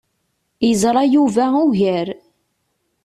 Yeẓra Yuba ugar.